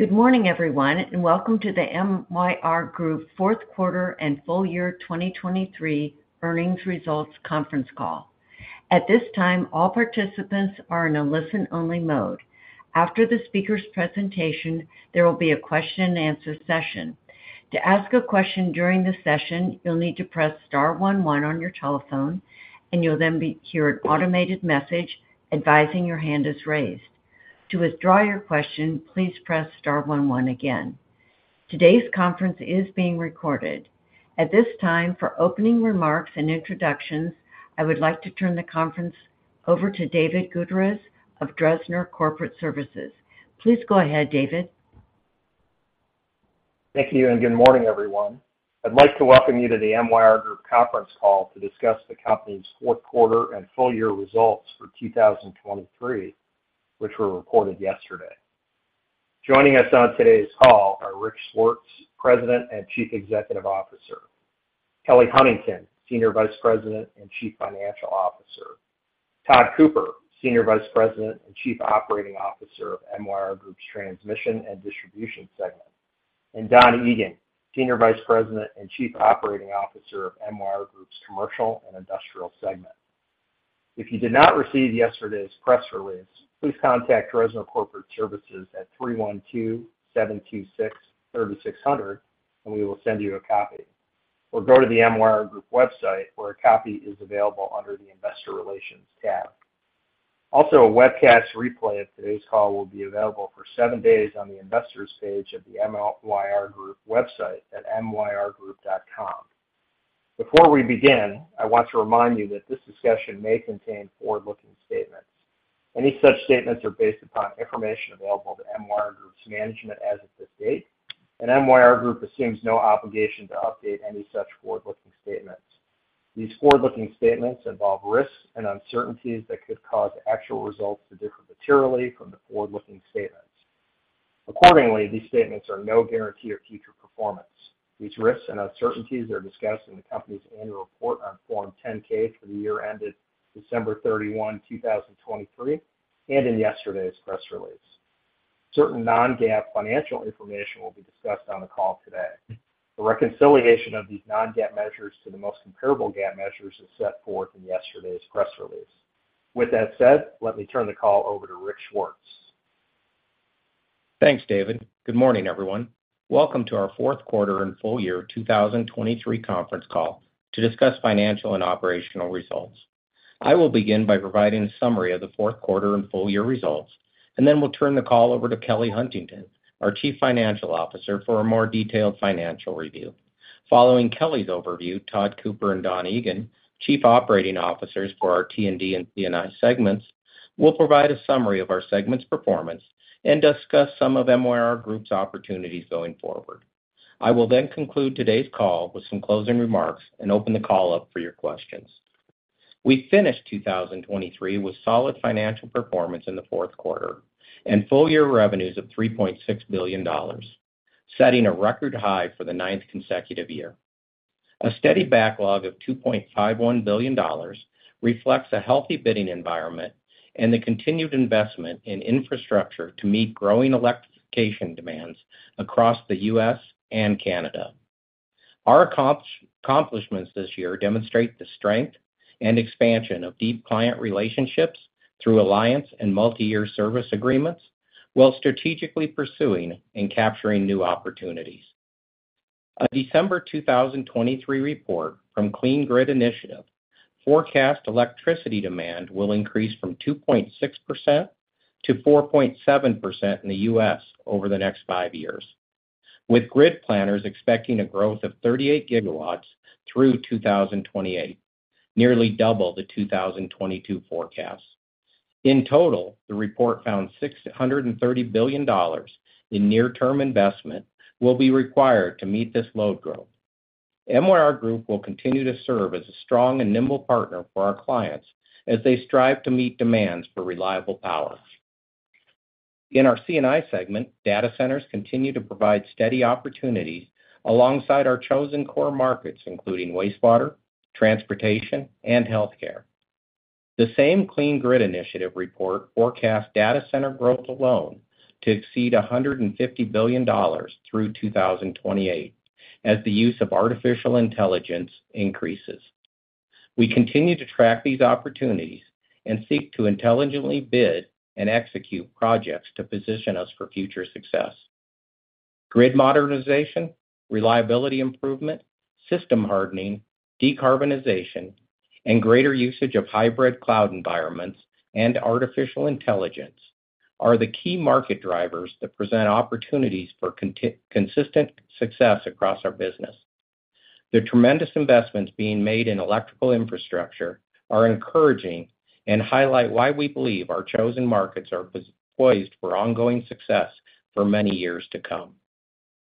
Good morning, everyone, and welcome to the MYR Group fourth quarter and full year 2023 earnings results conference call. At this time, all participants are in a listen-only mode. After the speaker's presentation, there will be a question-and-answer session. To ask a question during the session, you'll need to press star one one on your telephone, and you'll then be heard an automated message advising your hand is raised. To withdraw your question, please press star one one again. Today's conference is being recorded. At this time, for opening remarks and introductions, I would like to turn the conference over to David Gutierrez of Dresner Corporate Services. Please go ahead, David. Thank you, and good morning, everyone. I'd like to welcome you to the MYR Group conference call to discuss the company's fourth quarter and full year results for 2023, which were reported yesterday. Joining us on today's call are Rick Swartz, President and Chief Executive Officer, Kelly Huntington, Senior Vice President and Chief Financial Officer, Tod Cooper, Senior Vice President and Chief Operating Officer of MYR Group's Transmission and Distribution segment, and Don Egan, Senior Vice President and Chief Operating Officer of MYR Group's Commercial and Industrial segment. If you did not receive yesterday's press release, please contact Dresner Corporate Services at 312-726-3600, and we will send you a copy. Or go to the MYR Group website, where a copy is available under the Investor Relations tab. Also, a webcast replay of today's call will be available for 7 days on the Investors page of the MYR Group website at myrgroup.com. Before we begin, I want to remind you that this discussion may contain forward-looking statements. Any such statements are based upon information available to MYR Group's management as of this date, and MYR Group assumes no obligation to update any such forward-looking statements. These forward-looking statements involve risks and uncertainties that could cause actual results to differ materially from the forward-looking statements. Accordingly, these statements are no guarantee of future performance. These risks and uncertainties are discussed in the company's annual report on Form 10-K for the year ended December 31st, 2023, and in yesterday's press release. Certain non-GAAP financial information will be discussed on the call today. The reconciliation of these non-GAAP measures to the most comparable GAAP measures is set forth in yesterday's press release. With that said, let me turn the call over to Rick Swartz. Thanks, David. Good morning, everyone. Welcome to our fourth quarter and full year 2023 conference call to discuss financial and operational results. I will begin by providing a summary of the fourth quarter and full year results, and then we'll turn the call over to Kelly Huntington, our Chief Financial Officer, for a more detailed financial review. Following Kelly's overview, Tod Cooper and Don Egan, Chief Operating Officers for our T&D and C&I segments, will provide a summary of our segment's performance and discuss some of MYR Group's opportunities going forward. I will then conclude today's call with some closing remarks and open the call up for your questions. We finished 2023 with solid financial performance in the fourth quarter and full-year revenues of $3.6 billion, setting a record high for the ninth consecutive year. A steady backlog of $2.51 billion reflects a healthy bidding environment and the continued investment in infrastructure to meet growing electrification demands across the U.S. and Canada. Our accomplishments this year demonstrate the strength and expansion of deep client relationships through alliance and multiyear service agreements, while strategically pursuing and capturing new opportunities. A December 2023 report from Clean Grid Initiative forecast electricity demand will increase from 2.6%-4.7% in the U.S. over the next 5 years, with grid planners expecting a growth of 38 GW through 2028, nearly double the 2022 forecast. In total, the report found $630 billion in near-term investment will be required to meet this load growth. MYR Group will continue to serve as a strong and nimble partner for our clients as they strive to meet demands for reliable power. In our C&I segment, data centers continue to provide steady opportunities alongside our chosen core markets, including wastewater, transportation, and healthcare. The same Clean Grid Initiative report forecast data center growth alone to exceed $150 billion through 2028 as the use of artificial intelligence increases. We continue to track these opportunities and seek to intelligently bid and execute projects to position us for future success. Grid modernization, reliability improvement, system hardening, decarbonization, and greater usage of hybrid cloud environments and artificial intelligence are the key market drivers that present opportunities for consistent success across our business. The tremendous investments being made in electrical infrastructure are encouraging and highlight why we believe our chosen markets are poised for ongoing success for many years to come.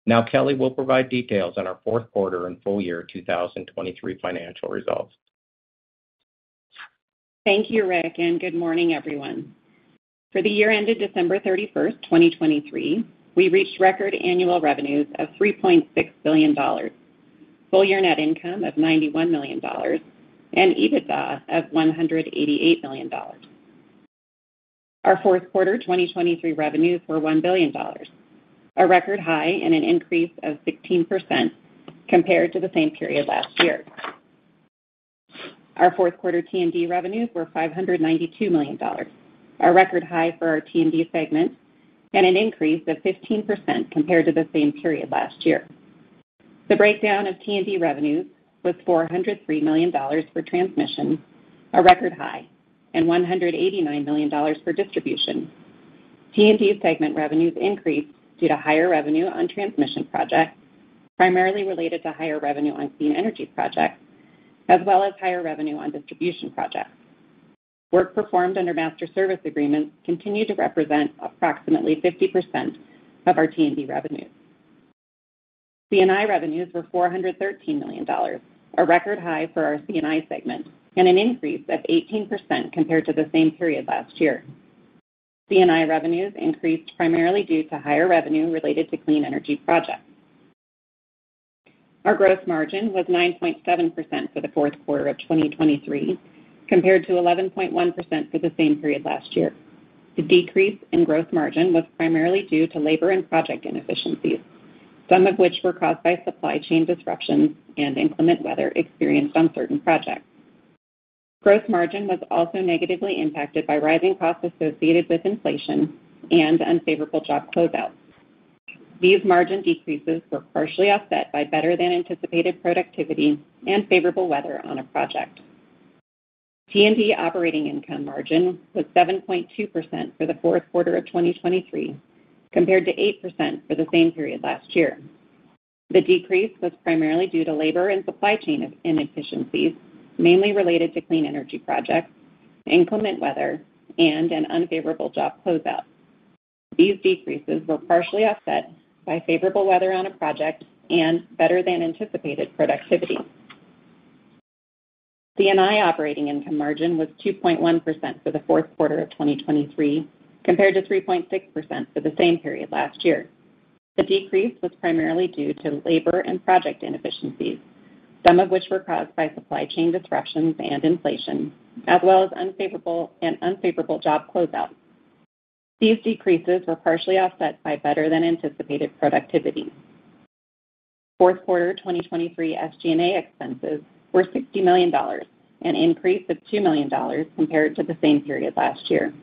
Now, Kelly will provide details on our fourth quarter and full year 2023 financial results. Thank you, Rick, and good morning, everyone. For the year ended December 31st, 2023, we reached record annual revenues of $3.6 billion. Full year net income of $91 million and EBITDA of $188 million. Our fourth quarter 2023 revenues were $1 billion, a record high and an increase of 16% compared to the same period last year. Our fourth quarter T&D revenues were $592 million, a record high for our T&D segment, and an increase of 15% compared to the same period last year. The breakdown of T&D revenues was $403 million for transmission, a record high, and $189 million for distribution. T&D segment revenues increased due to higher revenue on transmission projects, primarily related to higher revenue on clean energy projects, as well as higher revenue on distribution projects. Work performed under master service agreements continued to represent approximately 50% of our T&D revenues. C&I revenues were $413 million, a record high for our C&I segment, and an increase of 18% compared to the same period last year. C&I revenues increased primarily due to higher revenue related to clean energy projects. Our gross margin was 9.7% for the fourth quarter of 2023, compared to 11.1% for the same period last year. The decrease in gross margin was primarily due to labor and project inefficiencies, some of which were caused by supply chain disruptions and inclement weather experienced on certain projects. Gross margin was also negatively impacted by rising costs associated with inflation and unfavorable job closeouts. These margin decreases were partially offset by better-than-anticipated productivity and favorable weather on a project. T&D operating income margin was 7.2% for the fourth quarter of 2023, compared to 8% for the same period last year. The decrease was primarily due to labor and supply chain inefficiencies, mainly related to clean energy projects, inclement weather, and an unfavorable job closeout. These decreases were partially offset by favorable weather on a project and better-than-anticipated productivity. C&I operating income margin was 2.1% for the fourth quarter of 2023, compared to 3.6% for the same period last year. The decrease was primarily due to labor and project inefficiencies, some of which were caused by supply chain disruptions and inflation, as well as unfavorable and unfavorable job closeouts. These decreases were partially offset by better-than-anticipated productivity. Fourth quarter 2023 SG&A expenses were $60 million, an increase of $2 million compared to the same period last year.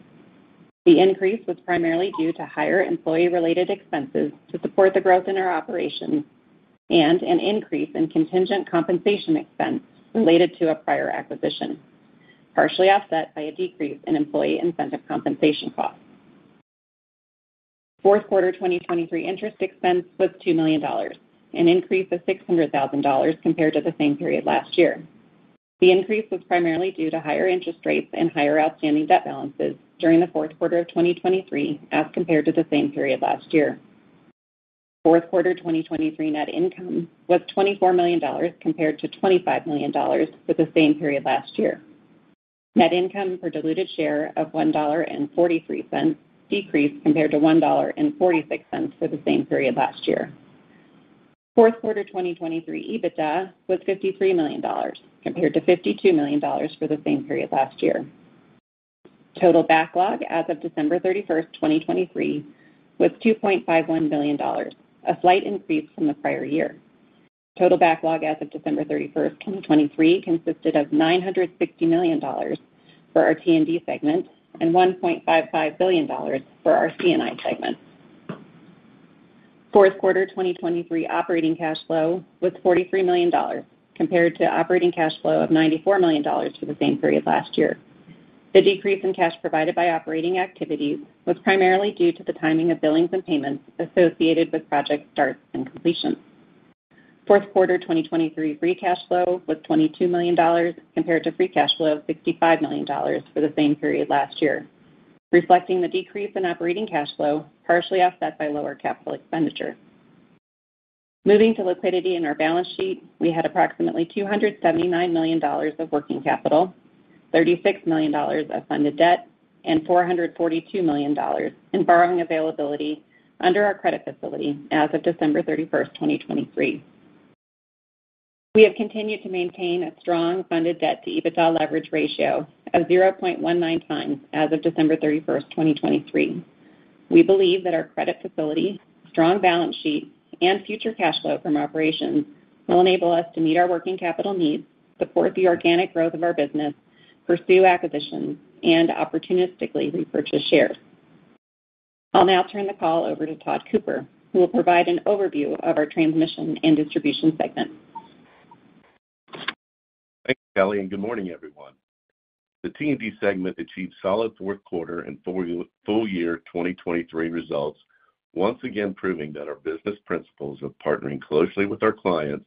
The increase was primarily due to higher employee-related expenses to support the growth in our operations and an increase in contingent compensation expense related to a prior acquisition, partially offset by a decrease in employee incentive compensation costs. Fourth quarter 2023 interest expense was $2 million, an increase of $600,000 compared to the same period last year. The increase was primarily due to higher interest rates and higher outstanding debt balances during the fourth quarter of 2023 as compared to the same period last year. Fourth quarter 2023 net income was $24 million, compared to $25 million for the same period last year. Net income per diluted share of $1.43 decreased compared to $1.46 for the same period last year. Fourth quarter 2023 EBITDA was $53 million, compared to $52 million for the same period last year. Total backlog as of December 31st, 2023, was $2.51 billion, a slight increase from the prior year. Total backlog as of December 31st, 2023, consisted of $960 million for our T&D segment and $1.55 billion for our C&I segment. Fourth quarter 2023 operating cash flow was $43 million, compared to operating cash flow of $94 million for the same period last year. The decrease in cash provided by operating activities was primarily due to the timing of billings and payments associated with project starts and completions. Fourth quarter 2023 free cash flow was $22 million, compared to free cash flow of $65 million for the same period last year, reflecting the decrease in operating cash flow, partially offset by lower capital expenditure. Moving to liquidity in our balance sheet, we had approximately $279 million of working capital, $36 million of funded debt, and $442 million in borrowing availability under our credit facility as of December 31st, 2023. We have continued to maintain a strong funded debt to EBITDA leverage ratio of 0.19 times as of December 31st, 2023. We believe that our credit facility, strong balance sheet, and future cash flow from operations will enable us to meet our working capital needs, support the organic growth of our business, pursue acquisitions, and opportunistically repurchase shares. I'll now turn the call over to Tod Cooper, who will provide an overview of our Transmission and Distribution segment. Thanks, Kelly, and good morning, everyone. The T&D segment achieved solid fourth quarter and full year 2023 results, once again proving that our business principles of partnering closely with our clients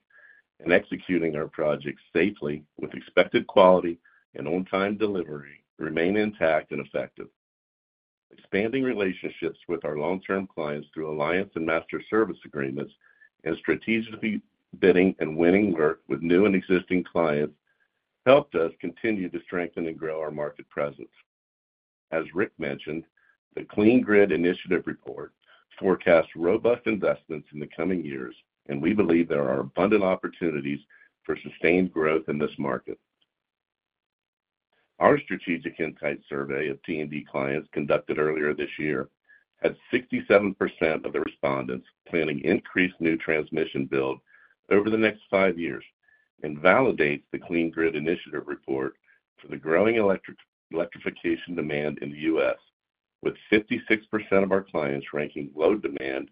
and executing our projects safely with expected quality and on-time delivery remain intact and effective. Expanding relationships with our long-term clients through alliance and master service agreements and strategically bidding and winning work with new and existing clients helped us continue to strengthen and grow our market presence. As Rick mentioned, the Clean Grid Initiative report forecasts robust investments in the coming years, and we believe there are abundant opportunities for sustained growth in this market. Our strategic insight survey of T&D clients, conducted earlier this year, had 67% of the respondents planning increased new transmission build over the next 5 years, and validates the Clean Grid Initiative report for the growing electrification demand in the U.S., with 56% of our clients ranking load demand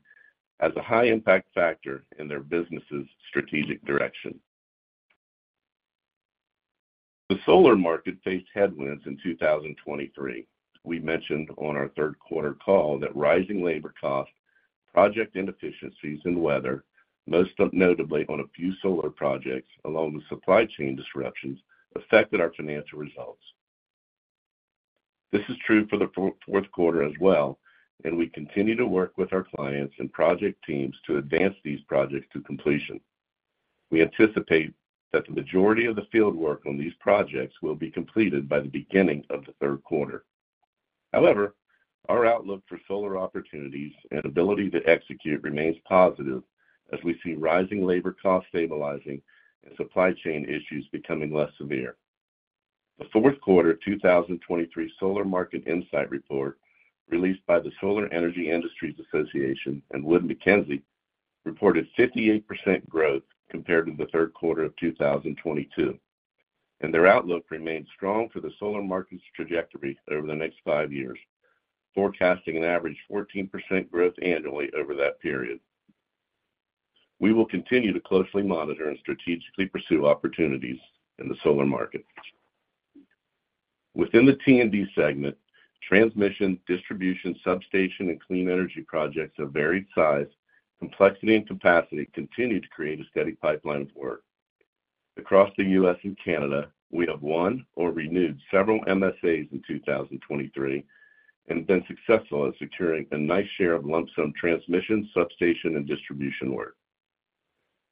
as a high impact factor in their business's strategic direction. The solar market faced headwinds in 2023. We mentioned on our third quarter call that rising labor costs, project inefficiencies, and weather, most notably on a few solar projects, along with supply chain disruptions, affected our financial results. This is true for the fourth quarter as well, and we continue to work with our clients and project teams to advance these projects to completion. We anticipate that the majority of the field work on these projects will be completed by the beginning of the third quarter. However, our outlook for solar opportunities and ability to execute remains positive as we see rising labor costs stabilizing and supply chain issues becoming less severe. The fourth quarter 2023 Solar Market Insight Report, released by the Solar Energy Industries Association and Wood Mackenzie, reported 58% growth compared to the third quarter of 2022. Their outlook remains strong for the solar market's trajectory over the next five years, forecasting an average 14% growth annually over that period. We will continue to closely monitor and strategically pursue opportunities in the solar market. Within the T&D segment, transmission, distribution, substation, and clean energy projects of varied size, complexity, and capacity continue to create a steady pipeline of work. Across the U.S. and Canada, we have won or renewed several MSAs in 2023 and been successful in securing a nice share of lump sum transmission, substation, and distribution work.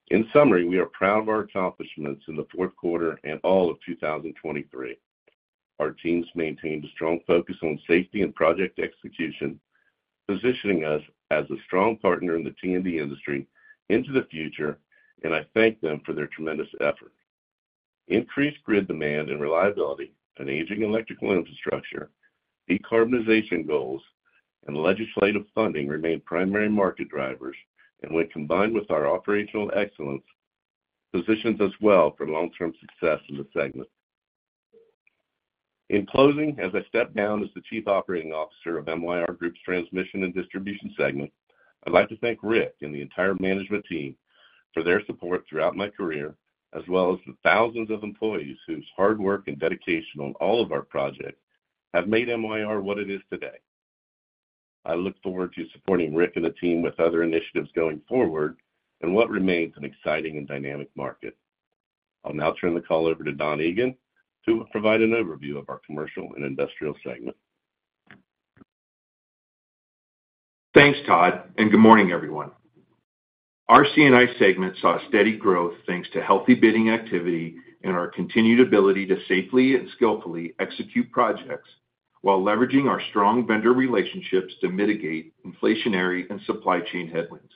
In summary, we are proud of our accomplishments in the fourth quarter and all of 2023. Our teams maintained a strong focus on safety and project execution, positioning us as a strong partner in the T&D industry into the future, and I thank them for their tremendous effort. Increased grid demand and reliability, an aging electrical infrastructure, decarbonization goals, and legislative funding remain primary market drivers, and when combined with our operational excellence, positions us well for long-term success in the segment. In closing, as I step down as the Chief Operating Officer of MYR Group's Transmission and Distribution segment, I'd like to thank Rick and the entire management team for their support throughout my career, as well as the thousands of employees whose hard work and dedication on all of our projects have made MYR what it is today. I look forward to supporting Rick and the team with other initiatives going forward in what remains an exciting and dynamic market. I'll now turn the call over to Don Egan to provide an overview of our Commercial and Industrial segment. Thanks, Tod, and good morning, everyone. Our C&I segment saw steady growth, thanks to healthy bidding activity and our continued ability to safely and skillfully execute projects while leveraging our strong vendor relationships to mitigate inflationary and supply chain headwinds.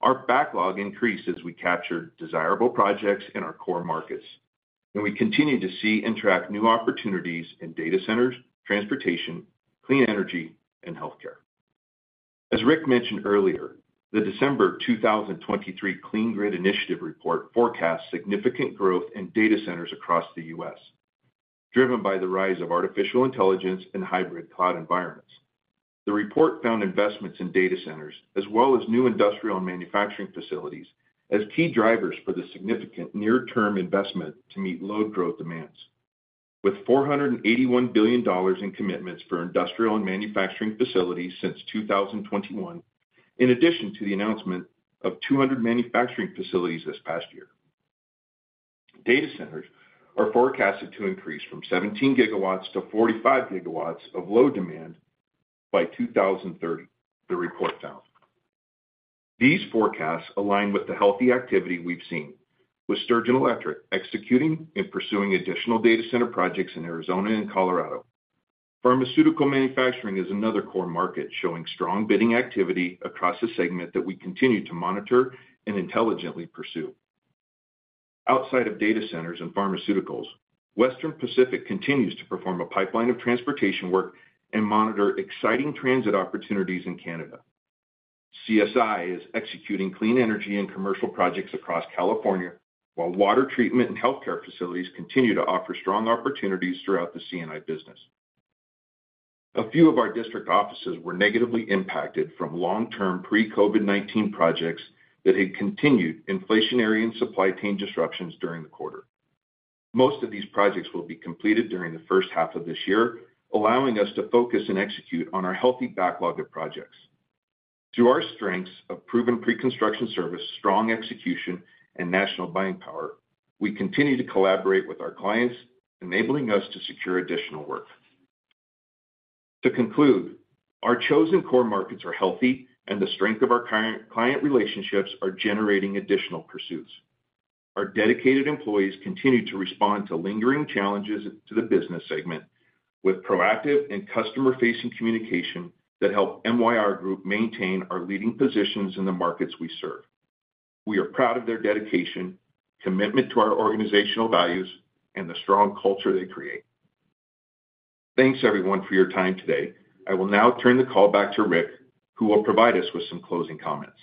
Our backlog increased as we captured desirable projects in our core markets, and we continue to see and track new opportunities in data centers, transportation, clean energy, and healthcare. As Rick mentioned earlier, the December 2023 Clean Grid Initiative report forecasts significant growth in data centers across the U.S., driven by the rise of artificial intelligence and hybrid cloud environments. The report found investments in data centers, as well as new industrial and manufacturing facilities, as key drivers for the significant near-term investment to meet load growth demands. With $481 billion in commitments for industrial and manufacturing facilities since 2021, in addition to the announcement of 200 manufacturing facilities this past year. Data centers are forecasted to increase from 17 GW-45 GW of load demand by 2030, the report found. These forecasts align with the healthy activity we've seen, with Sturgeon Electric executing and pursuing additional data center projects in Arizona and Colorado. Pharmaceutical manufacturing is another core market, showing strong bidding activity across the segment that we continue to monitor and intelligently pursue. Outside of data centers and pharmaceuticals, Western Pacific continues to perform a pipeline of transportation work and monitor exciting transit opportunities in Canada. CSI is executing clean energy and commercial projects across California, while water treatment and healthcare facilities continue to offer strong opportunities throughout the C&I business. A few of our district offices were negatively impacted from long-term pre-COVID-19 projects that had continued inflationary and supply chain disruptions during the quarter. Most of these projects will be completed during the first half of this year, allowing us to focus and execute on our healthy backlog of projects. Through our strengths of proven preconstruction service, strong execution, and national buying power, we continue to collaborate with our clients, enabling us to secure additional work. To conclude, our chosen core markets are healthy, and the strength of our client, client relationships are generating additional pursuits. Our dedicated employees continue to respond to lingering challenges to the business segment with proactive and customer-facing communication that help MYR Group maintain our leading positions in the markets we serve. We are proud of their dedication, commitment to our organizational values, and the strong culture they create. Thanks everyone for your time today. I will now turn the call back to Rick, who will provide us with some closing comments.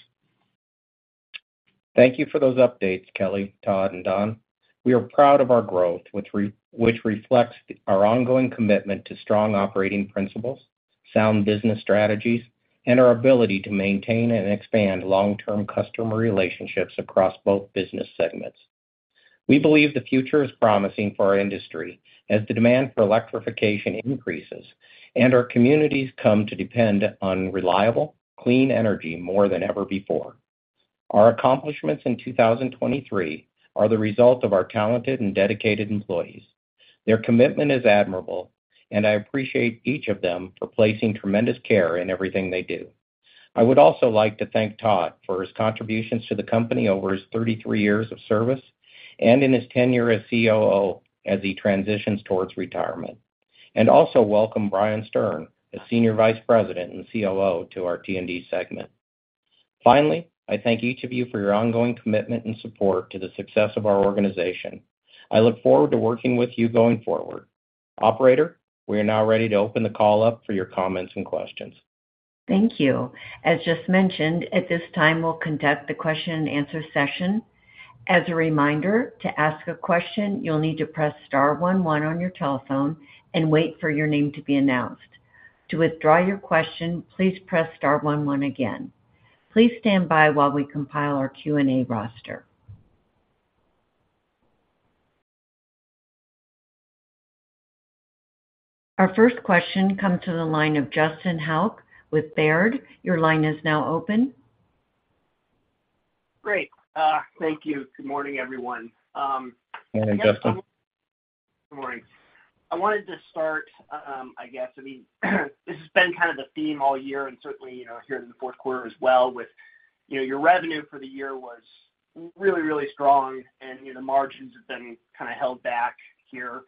Thank you for those updates, Kelly, Tod, and Don. We are proud of our growth, which reflects our ongoing commitment to strong operating principles, sound business strategies, and our ability to maintain and expand long-term customer relationships across both business segments. We believe the future is promising for our industry as the demand for electrification increases and our communities come to depend on reliable, clean energy more than ever before. Our accomplishments in 2023 are the result of our talented and dedicated employees. Their commitment is admirable, and I appreciate each of them for placing tremendous care in everything they do. I would also like to thank Tod for his contributions to the company over his 33 years of service and in his tenure as COO, as he transitions towards retirement. Also welcome Brian Stern, as Senior Vice President and COO, to our T&D segment. Finally, I thank each of you for your ongoing commitment and support to the success of our organization. I look forward to working with you going forward. Operator, we are now ready to open the call up for your comments and questions. Thank you. As just mentioned, at this time, we'll conduct the question-and-answer session. As a reminder, to ask a question, you'll need to press star one one on your telephone and wait for your name to be announced. To withdraw your question, please press star one one again. Please stand by while we compile our Q&A roster. Our first question comes to the line of Justin Hauke with Baird. Your line is now open. Great. Thank you. Good morning, everyone. Good morning, Justin. Good morning. I wanted to start, I guess, I mean, this has been kind of the theme all year, and certainly, you know, here in the fourth quarter as well, with, you know, your revenue for the year was really, really strong, and, you know, the margins have been kind of held back here.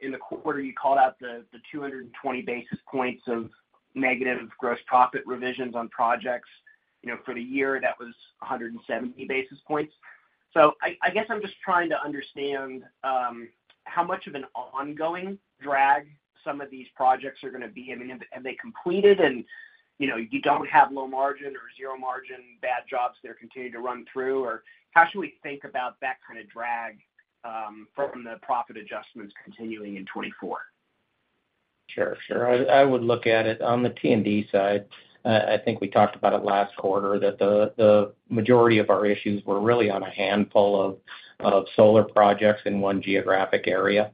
In the quarter, you called out the, the 220 basis points of negative gross profit revisions on projects. You know, for the year, that was 170 basis points. So I, I guess I'm just trying to understand, how much of an ongoing drag some of these projects are gonna be. I mean, have they completed and, you know, you don't have low margin or zero margin, bad jobs they're continuing to run through? Or how should we think about that kind of drag, from the profit adjustments continuing in 2024? Sure, sure. I would look at it on the T&D side. I think we talked about it last quarter, that the majority of our issues were really on a handful of solar projects in one geographic area.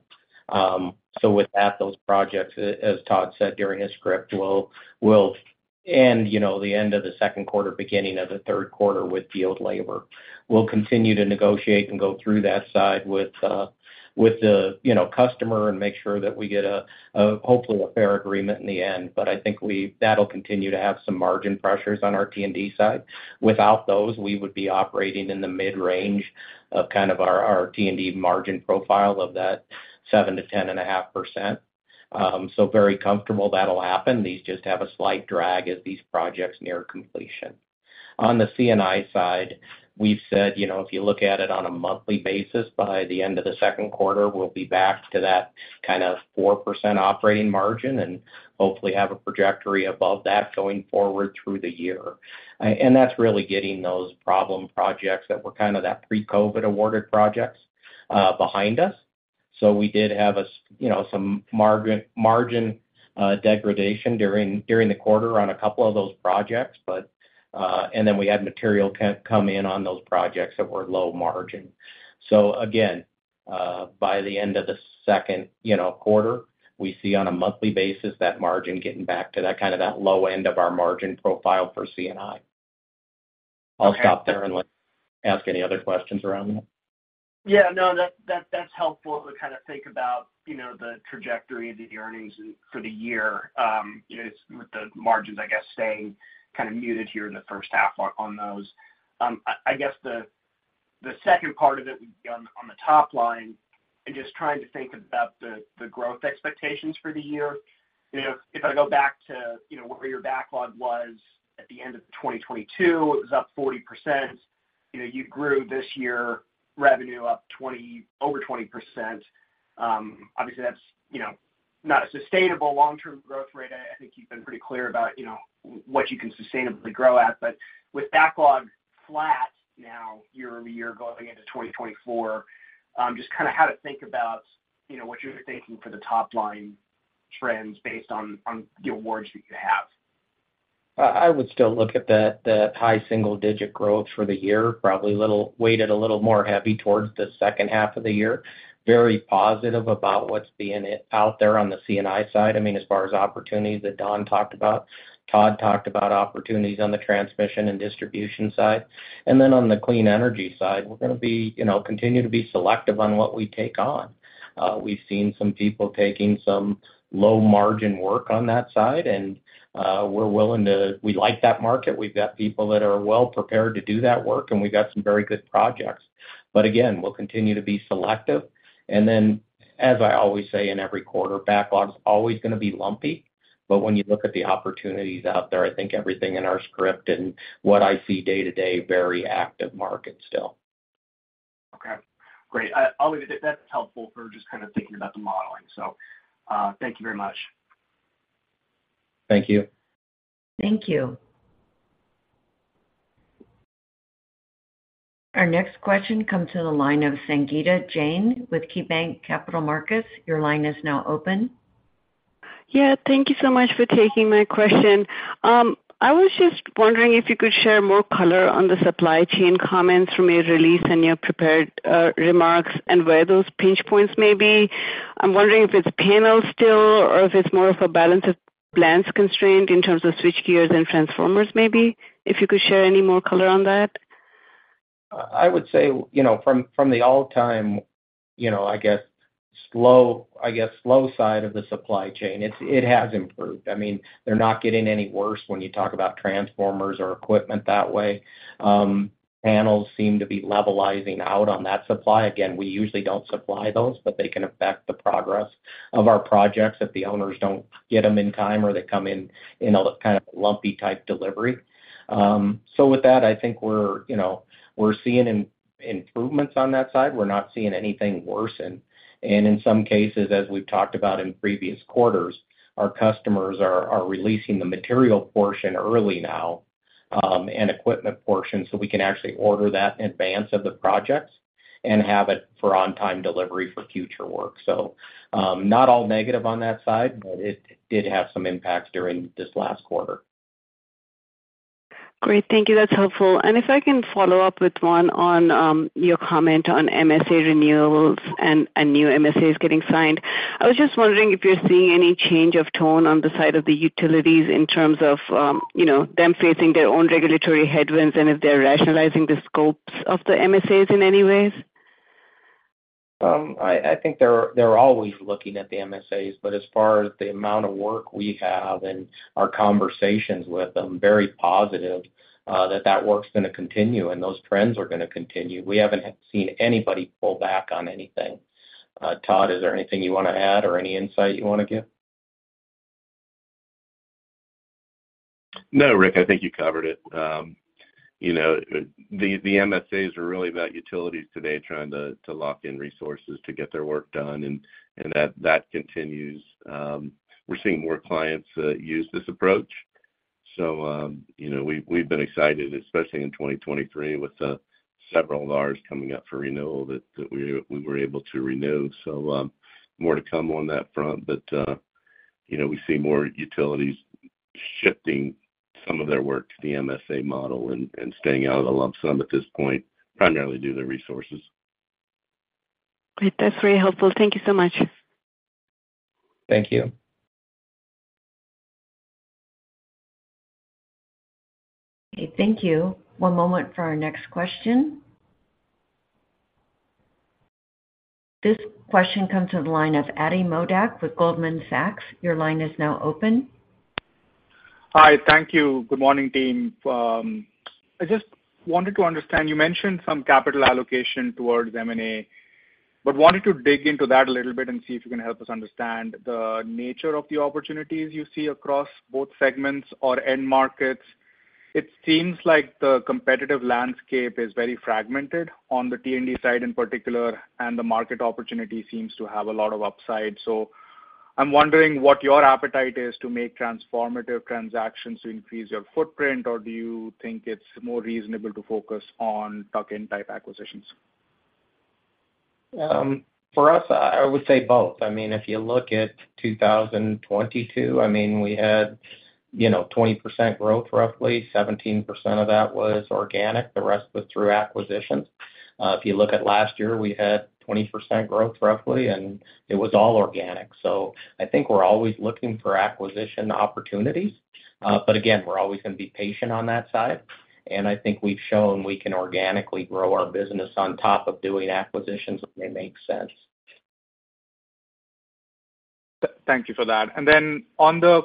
So with that, those projects, as Tod said during his script, will end, you know, the end of the second quarter, beginning of the third quarter with field labor. We'll continue to negotiate and go through that side with the, you know, customer and make sure that we get a hopefully a fair agreement in the end. But I think that'll continue to have some margin pressures on our T&D side. Without those, we would be operating in the mid-range of kind of our T&D margin profile of that 7%-10.5%. So very comfortable that'll happen. These just have a slight drag as these projects near completion. On the C&I side, we've said, you know, if you look at it on a monthly basis, by the end of the second quarter, we'll be back to that kind of 4% operating margin and hopefully have a trajectory above that going forward through the year. And that's really getting those problem projects that were kind of that pre-COVID awarded projects behind us. So we did have you know, some margin, margin, degradation during, during the quarter on a couple of those projects. And then, we had material count come in on those projects that were low margin. So again, by the end of the second quarter, we see on a monthly basis, that margin getting back to that kind of, that low end of our margin profile for C&I. I'll stop there and ask any other questions around that. Yeah, that's helpful to kind of think about, you know, the trajectory of the earnings for the year. You know, with the margins, I guess, staying kind of muted here in the first half on those. I guess the second part of it would be on the top line and just trying to think about the growth expectations for the year. You know, if I go back to, you know, where your backlog was at the end of 2022, it was up 40%. You know, you grew this year, revenue up over 20%. Obviously, that's, you know, not a sustainable long-term growth rate. I think you've been pretty clear about, you know, what you can sustainably grow at. With backlog flat now year-over-year, going into 2024, just kind of how to think about, you know, what you're thinking for the top line trends based on, on the awards that you have? I would still look at that, that high single-digit growth for the year, probably a little weighted a little more heavy towards the second half of the year. Very positive about what's being out there on the C&I side. I mean, as far as opportunities that Don talked about, Tod talked about opportunities on the Transmission and Distribution side. And then on the clean energy side, we're gonna be, you know, continue to be selective on what we take on. We've seen some people taking some low-margin work on that side, and, we're willing to—we like that market. We've got people that are well-prepared to do that work, and we've got some very good projects. But again, we'll continue to be selective. And then, as I always say, in every quarter, backlog is always gonna be lumpy. But when you look at the opportunities out there, I think everything in our script and what I see day-to-day, very active market still. Okay, great. I, I'll leave it at that. That's helpful for just kind of thinking about the modeling. So, thank you very much. Thank you. Thank you. Our next question comes to the line of Sangita Jain with KeyBanc Capital Markets. Your line is now open. Yeah, thank you so much for taking my question. I was just wondering if you could share more color on the supply chain comments from your release and your prepared, remarks, and where those pinch points may be. I'm wondering if it's panel still, or if it's more of a balance of plans constraint in terms of switch gears and transformers, maybe? If you could share any more color on that. I would say, you know, from the all-time, you know, I guess slow side of the supply chain, it has improved. I mean, they're not getting any worse when you talk about transformers or equipment that way. Panels seem to be leveling out on that supply. Again, we usually don't supply those, but they can affect the progress of our projects if the owners don't get them in time, or they come in in a kind of lumpy type delivery. So with that, I think we're, you know, we're seeing improvements on that side. We're not seeing anything worsen. In some cases, as we've talked about in previous quarters, our customers are releasing the material portion early now, and equipment portion, so we can actually order that in advance of the projects and have it for on-time delivery for future work. So, not all negative on that side, but it did have some impacts during this last quarter. Great, thank you. That's helpful. If I can follow up with one on your comment on MSA renewals and new MSAs getting signed. I was just wondering if you're seeing any change of tone on the side of the utilities in terms of, you know, them facing their own regulatory headwinds, and if they're rationalizing the scopes of the MSAs in any ways? I think they're always looking at the MSAs, but as far as the amount of work we have and our conversations with them, very positive, that work's gonna continue and those trends are gonna continue. We haven't seen anybody pull back on anything. Tod, is there anything you wanna add or any insight you wanna give? No, Rick, I think you covered it. You know, the MSAs are really about utilities today trying to lock in resources to get their work done, and that continues. We're seeing more clients use this approach. So, you know, we've been excited, especially in 2023, with several of ours coming up for renewal that we were able to renew. So, more to come on that front. But, you know, we see more utilities shifting some of their work to the MSA model and staying out of the lump sum at this point, primarily due to resources. Great. That's very helpful. Thank you so much. Thank you. Thank you. One moment for our next question. This question comes to the line of Ati Modak with Goldman Sachs. Your line is now open. Hi, thank you. Good morning, team. I just wanted to understand, you mentioned some capital allocation towards M&A, but wanted to dig into that a little bit and see if you can help us understand the nature of the opportunities you see across both segments or end markets. It seems like the competitive landscape is very fragmented on the T&D side in particular, and the market opportunity seems to have a lot of upside. So I'm wondering what your appetite is to make transformative transactions to increase your footprint, or do you think it's more reasonable to focus on tuck-in type acquisitions? For us, I would say both. I mean, if you look at 2022, I mean, we had, you know, 20% growth, roughly 17% of that was organic, the rest was through acquisitions. If you look at last year, we had 20% growth, roughly, and it was all organic. So I think we're always looking for acquisition opportunities. But again, we're always gonna be patient on that side, and I think we've shown we can organically grow our business on top of doing acquisitions, if it makes sense. Thank you for that. And then on the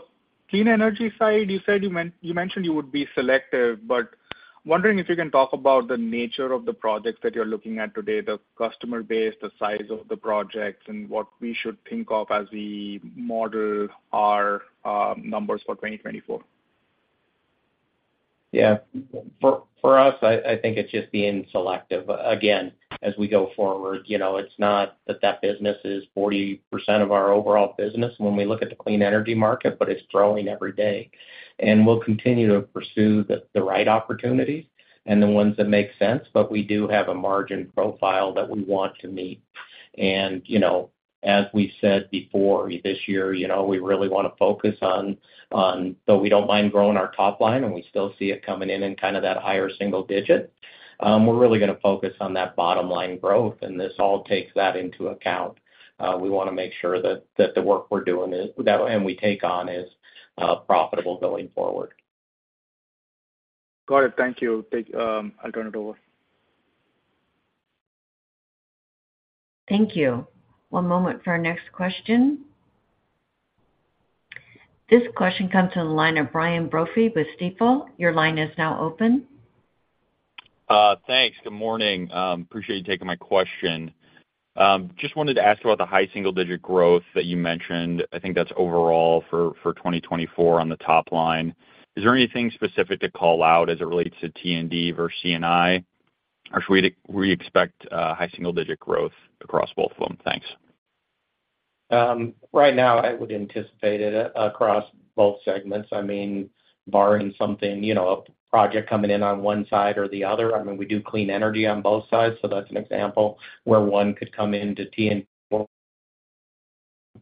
clean energy side, you said you mentioned you would be selective, but wondering if you can talk about the nature of the projects that you're looking at today, the customer base, the size of the projects, and what we should think of as we model our numbers for 2024. Yeah. For us, I think it's just being selective. Again, as we go forward, you know, it's not that that business is 40% of our overall business when we look at the clean energy market, but it's growing every day. And we'll continue to pursue the right opportunities and the ones that make sense, but we do have a margin profile that we want to meet. And, you know, as we said before, this year, you know, we really wanna focus on. Though we don't mind growing our top line, and we still see it coming in in kind of that higher single digit, we're really gonna focus on that bottom line growth, and this all takes that into account. We wanna make sure that the work we're doing is, and we take on, is profitable going forward. Got it. Thank you. I'll turn it over. Thank you. One moment for our next question. This question comes to the line of Brian Brophy with Stifel. Your line is now open. Thanks. Good morning. Appreciate you taking my question. Just wanted to ask about the high single digit growth that you mentioned. I think that's overall for 2024 on the top line. Is there anything specific to call out as it relates to T&D versus C&I? Or should we expect high single digit growth across both of them? Thanks. Right now, I would anticipate it across both segments. I mean, barring something, you know, a project coming in on one side or the other, I mean, we do clean energy on both sides, so that's an example where one could come in to T&D. It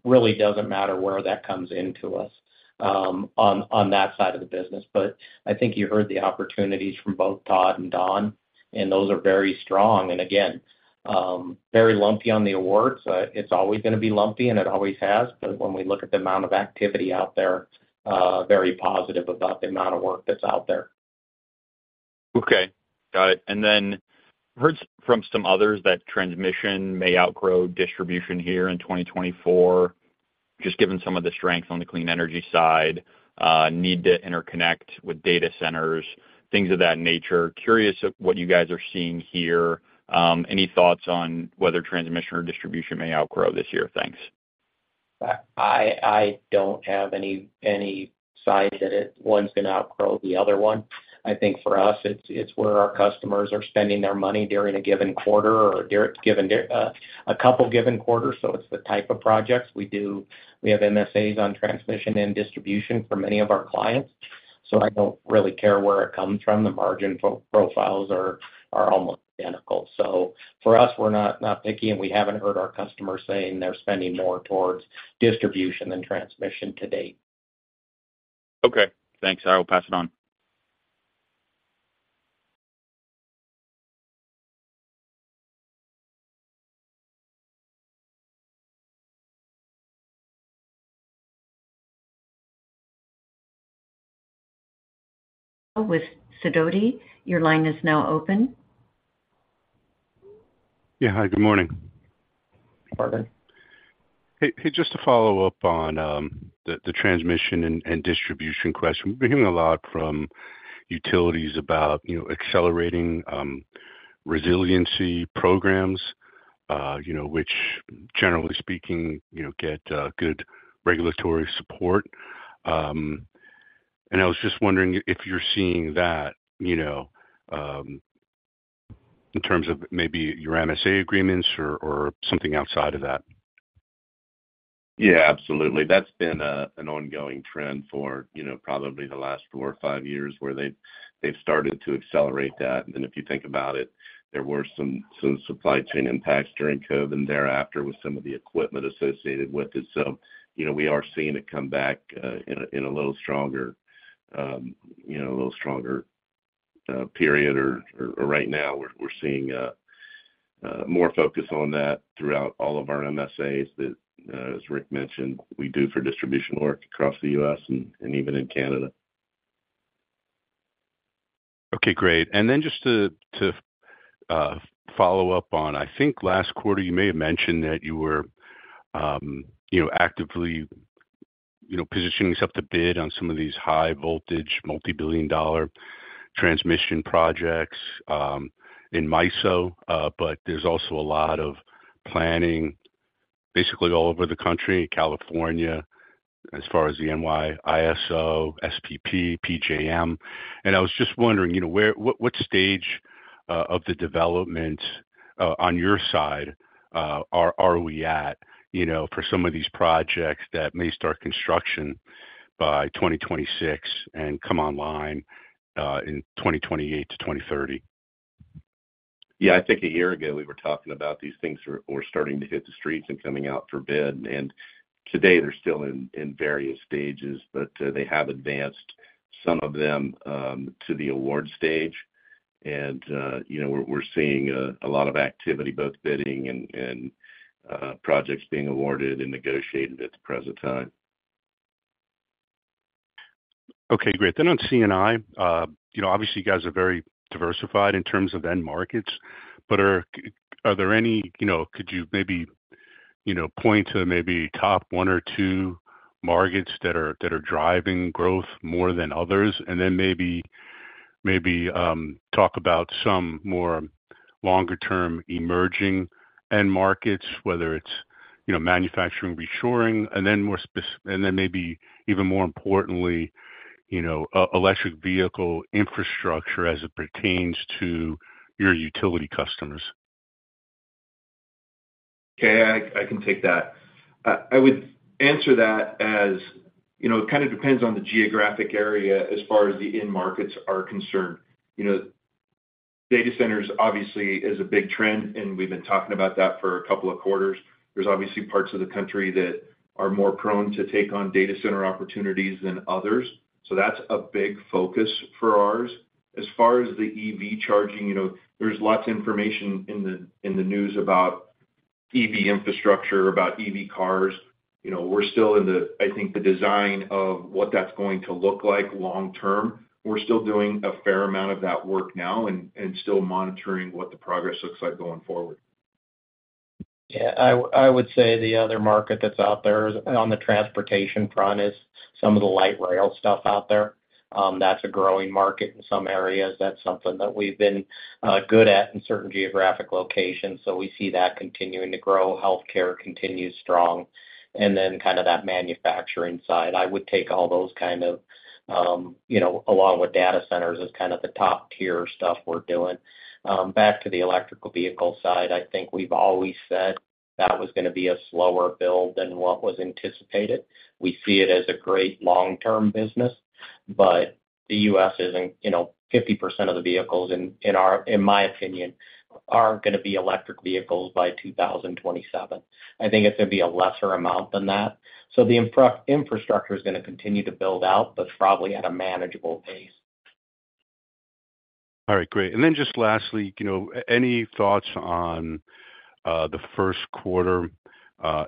really doesn't matter where that comes into us, on, on that side of the business. But I think you heard the opportunities from both Tod and Don, and those are very strong. And again, very lumpy on the awards. It's always gonna be lumpy, and it always has. But when we look at the amount of activity out there, very positive about the amount of work that's out there. Okay, got it. And then heard from some others that transmission may outgrow distribution here in 2024, just given some of the strength on the clean energy side, need to interconnect with data centers, things of that nature. Curious of what you guys are seeing here. Any thoughts on whether transmission or distribution may outgrow this year? Thanks. I don't have any side that one's gonna outgrow the other one. I think for us, it's where our customers are spending their money during a given quarter or during a couple given quarters. So it's the type of projects we do. We have MSAs on Transmission and Distribution for many of our clients, so I don't really care where it comes from. The margin profiles are almost identical. So for us, we're not picky, and we haven't heard our customers saying they're spending more towards distribution than transmission to date. Okay, thanks. I will pass it on. Thank you. One moment for our next question. This question comes to the line of Brian Russo with Sidoti. Your line is now open. Yeah. Hi, good morning. Morning. Hey, just to follow up on the Transmission and Distribution question. We're hearing a lot from utilities about, you know, accelerating resiliency programs, you know, which, generally speaking, you know, get good regulatory support. And I was just wondering if you're seeing that, you know, in terms of maybe your MSA agreements or something outside of that. Yeah, absolutely. That's been a, an ongoing trend for, you know, probably the last 4 or 5 years, where they've, they've started to accelerate that. And if you think about it, there were some, some supply chain impacts during COVID and thereafter with some of the equipment associated with it. So, you know, we are seeing it come back, in a, in a little stronger, you know, a little stronger, period, or, or right now, we're, we're seeing, more focus on that throughout all of our MSAs, that, as Rick mentioned, we do for distribution work across the U.S. and, and even in Canada. Okay, great. And then just to follow up on, I think last quarter, you may have mentioned that you were, you know, actively, you know, positioning yourself to bid on some of these high voltage, multi-billion-dollar transmission projects in MISO, but there's also a lot of planning basically all over the country, California, as far as the NYISO, SPP, PJM. And I was just wondering, you know, what stage of the development on your side are we at, you know, for some of these projects that may start construction by 2026 and come online in 2028-2030? Yeah, I think a year ago, we were talking about these things were starting to hit the streets and coming out for bid, and today they're still in various stages, but they have advanced some of them to the award stage. And you know, we're seeing a lot of activity, both bidding and projects being awarded and negotiated at the present time. Okay, great. Then on C&I, you know, obviously, you guys are very diversified in terms of end markets, but are there any, you know, could you maybe, you know, point to maybe top one or two markets that are driving growth more than others? And then maybe talk about some more longer-term emerging end markets, whether it's, you know, manufacturing reshoring, and then maybe even more importantly, you know, electric vehicle infrastructure as it pertains to your utility customers. Okay, I can take that. I would answer that as, you know, it kind of depends on the geographic area as far as the end markets are concerned. You know, data centers obviously is a big trend, and we've been talking about that for a couple of quarters. There's obviously parts of the country that are more prone to take on data center opportunities than others, so that's a big focus for ours. As far as the EV charging, you know, there's lots of information in the, in the news about EV infrastructure, about EV cars. You know, we're still in the, I think, the design of what that's going to look like long term. We're still doing a fair amount of that work now and, and still monitoring what the progress looks like going forward. Yeah, I would say the other market that's out there on the transportation front is some of the light rail stuff out there. That's a growing market in some areas. That's something that we've been good at in certain geographic locations, so we see that continuing to grow. Healthcare continues strong, and then kind of that manufacturing side. I would take all those kind of, you know, along with data centers, as kind of the top-tier stuff we're doing. Back to the electric vehicle side, I think we've always said that was gonna be a slower build than what was anticipated. We see it as a great long-term business, but the U.S. isn't, you know, 50% of the vehicles in, in our—in my opinion, aren't gonna be electric vehicles by 2027. I think it's gonna be a lesser amount than that. So the infrastructure is gonna continue to build out, but probably at a manageable pace. All right, great. And then just lastly, you know, any thoughts on the first quarter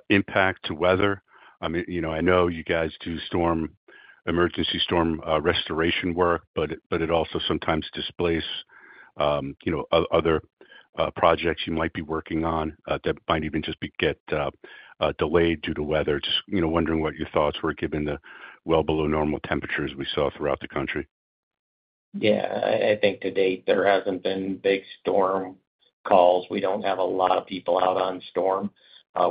impact to weather? I mean, you know, I know you guys do storm, emergency storm restoration work, but it also sometimes delays other projects you might be working on that might even just be delayed due to weather. Just wondering what your thoughts were, given the well below normal temperatures we saw throughout the country. Yeah. I think to date, there hasn't been big storm calls. We don't have a lot of people out on storm.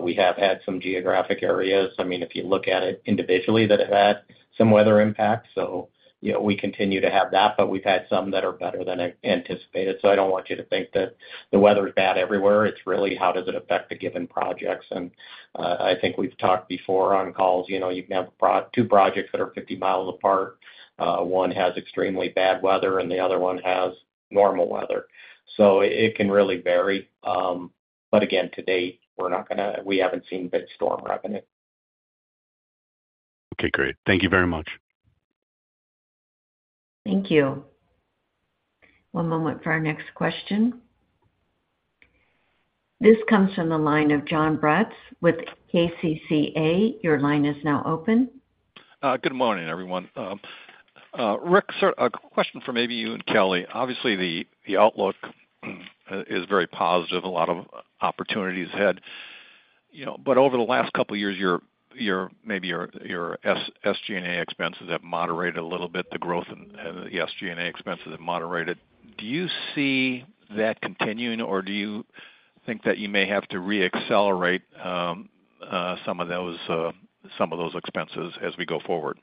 We have had some geographic areas, I mean, if you look at it individually, that have had some weather impacts, so, you know, we continue to have that, but we've had some that are better than I anticipated. So I don't want you to think that the weather is bad everywhere. It's really how does it affect the given projects, and I think we've talked before on calls, you know, you can have two projects that are 50 miles apart. One has extremely bad weather, and the other one has normal weather, so it can really vary. But again, to date, we're not gonna, we haven't seen big storm revenue. Okay, great. Thank you very much. Thank you. One moment for our next question. This comes from the line of Jon Braatz with KCCA. Your line is now open. Good morning, everyone. Rick, sir, a question for maybe you and Kelly. Obviously, the outlook is very positive, a lot of opportunities ahead, you know, but over the last couple of years, your, your, maybe your, your SG&A expenses have moderated a little bit, the growth and the SG&A expenses have moderated. Do you see that continuing, or do you think that you may have to reaccelerate some of those expenses as we go forward?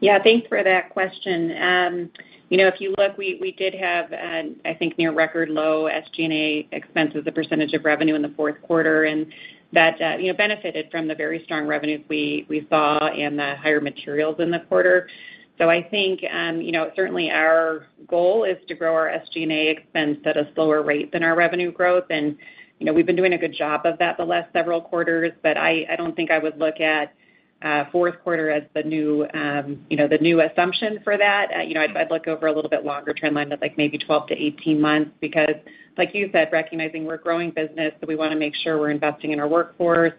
Yeah, thanks for that question. You know, if you look, we did have, I think, near record low SG&A expenses, the percentage of revenue in the fourth quarter, and that, you know, benefited from the very strong revenues we saw and the higher materials in the quarter. So I think, you know, certainly our goal is to grow our SG&A expense at a slower rate than our revenue growth, and, you know, we've been doing a good job of that the last several quarters. But I don't think I would look at, fourth quarter as the new, you know, the new assumption for that. You know, I'd, I'd look over a little bit longer-term line of, like, maybe 12-18 months, because like you said, recognizing we're growing business, so we wanna make sure we're investing in our workforce,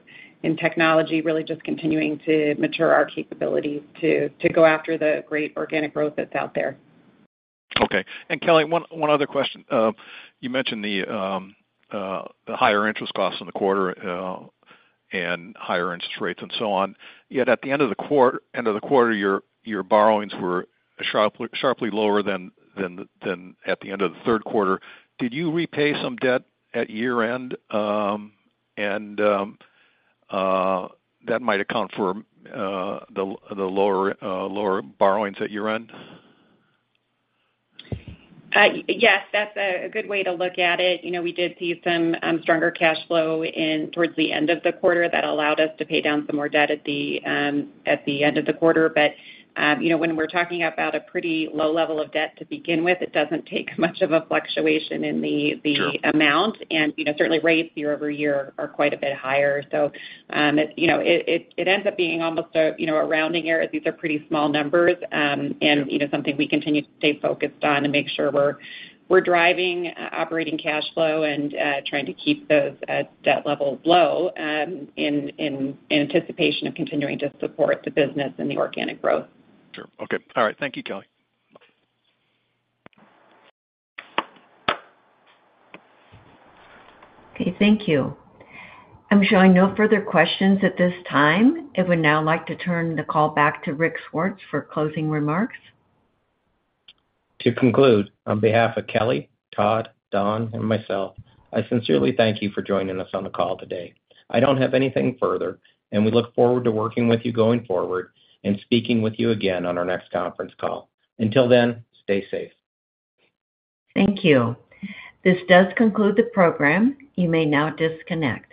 in technology, really just continuing to mature our capabilities to, to go after the great organic growth that's out there. Okay. And Kelly, one other question. You mentioned the higher interest costs in the quarter, and higher interest rates and so on. Yet at the end of the quarter, your borrowings were sharply lower than at the end of the third quarter. Did you repay some debt at year-end, and that might account for the lower borrowings at year-end? Yes, that's a good way to look at it. You know, we did see some stronger cash flow in towards the end of the quarter that allowed us to pay down some more debt at the end of the quarter. But, you know, when we're talking about a pretty low level of debt to begin with, it doesn't take much of a fluctuation in the, the amount, and, you know, certainly rates year-over-year are quite a bit higher. So, it, you know, it ends up being almost a, you know, a rounding error. These are pretty small numbers, and, you know, something we continue to stay focused on and make sure we're driving operating cash flow and trying to keep those debt levels low, in anticipation of continuing to support the business and the organic growth. Sure. Okay. All right. Thank you, Kelly. Okay, thank you. I'm showing no further questions at this time, and would now like to turn the call back to Rick Swartz for closing remarks. To conclude, on behalf of Kelly, Tod, Don, and myself, I sincerely thank you for joining us on the call today. I don't have anything further, and we look forward to working with you going forward and speaking with you again on our next conference call. Until then, stay safe. Thank you. This does conclude the program. You may now disconnect.